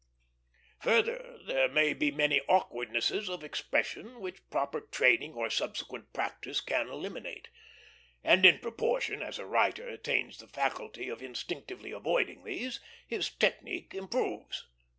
Further, there are many awkwardnesses of expression which proper training or subsequent practice can eliminate; and in proportion as a writer attains the faculty of instinctively avoiding these, his technique improves.